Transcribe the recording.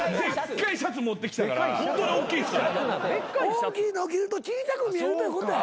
大きいのを着ると小さく見えるということや。